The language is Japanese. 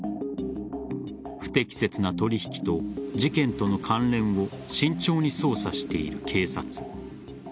不適切な取引と事件との関連を慎重に捜査している警察。